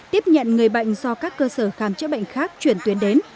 tiếp nhận người bệnh do các cơ sở khám chữa bệnh khác chuyển tuyến đến